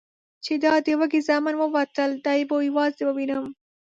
چې دا د وږي زامن ووتل، دی به یوازې ووینم؟